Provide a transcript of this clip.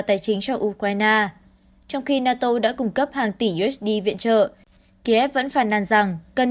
tài chính cho ukraine trong khi nato đã cung cấp hàng tỷ usd viện trợ kiev vẫn phàn nàn rằng cần